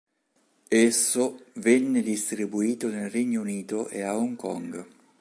Esso venne distribuito nel Regno Unito e a Hong Kong.